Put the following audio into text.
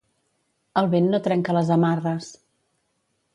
El vent no trenca les amarres.